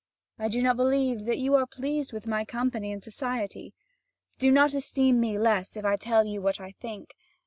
I do not believe that you are pleased with my company and society. Do not esteem me less if I tell you what I think.